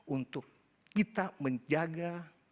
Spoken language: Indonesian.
untuk kita menjaga